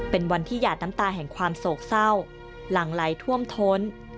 เป็นวันที่หยาดน้ำตาแห่งความโศกเศร้าหลังไหลท่วมท้น